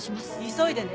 急いでね。